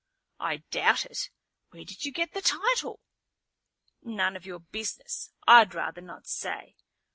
"I doubt it. Where did you get the title?" "None of your business. I'd rather not say.